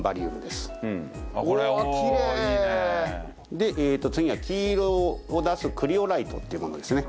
で次が黄色を出すクリオライトっていうものですね。